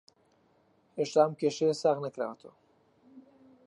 هێشتا ئەم کێشەیە ساغ نەکراوەتەوە